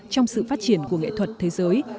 trong sự phát triển của nghệ thuật thế giới